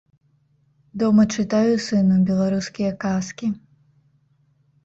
Дома чытаю сыну беларускія казкі.